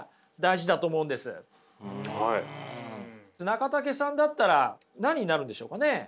中武さんだったら何になるんでしょうかね？